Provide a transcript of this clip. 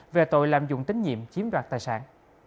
về tội lạm dụng tín nhiệm chiếm đoạt tài sản